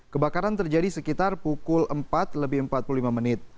kebakaran terjadi sekitar pukul empat lebih empat puluh lima menit